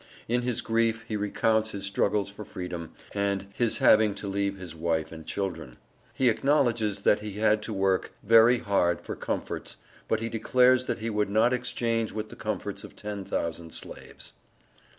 In his grief he recounts his struggles for freedom, and his having to leave his wife and children. He acknowledges that he had to "work very hard for comforts," but he declares that he would not "exchange with the comforts of ten thousand slaves_."